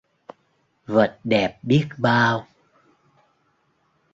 Vật đẹp biết bao!